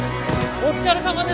お疲れさまです。